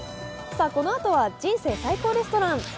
この後は「人生最高レストラン」。